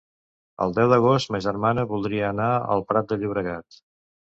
El deu d'agost ma germana voldria anar al Prat de Llobregat.